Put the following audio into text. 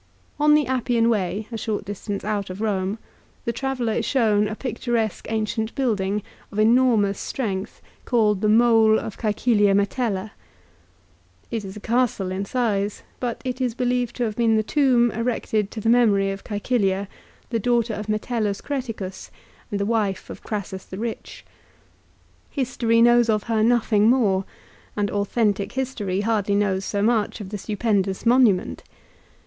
l On the Appian way, a short distance out of Rome, the traveller is shown a picturesque ancient building, of enormous strength, called the Mole of Csecilia Metella. It is a castle in size, but is believed to have been the tomb erected to the memory of Csecilia, the daughter of Metellus Creticus, and the wife of Crassus the Rich. History knows of her nothing more, and authentic history hardly knows so much of the stupendous monument.